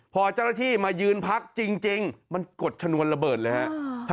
พอเจ้าหน้าที่มายืนพักจริงมันกดชนวนระเบิดเลยฮะ